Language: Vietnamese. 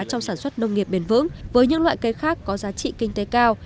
trong sản xuất nông nghiệp bền vững với những loại cây khác có giá trị kinh tế cao